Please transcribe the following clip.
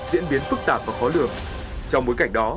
diễn biến phức tạp và khó lường trong bối cảnh đó